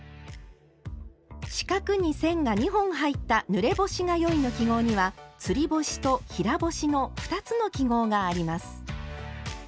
四角に線が２本入った「ぬれ干しがよい」の記号には「つり干し」と「平干し」の２つの記号があります。